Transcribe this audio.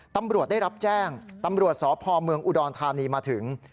ตำรวจได้รับแจ้งตำรวจสพเมืองอุดรธานีมาถึง